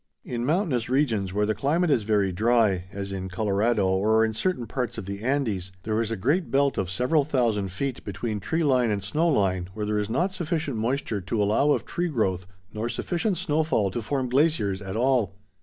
In mountainous regions, where the climate is very dry, as in Colorado or in certain parts of the Andes, there is a great belt of several thousand feet between tree line and snow line where there is not sufficient moisture to allow of tree growth nor sufficient snowfall to form glaciers at all.